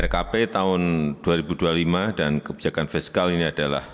lkp tahun dua ribu dua puluh lima dan kebijakan fiskal ini adalah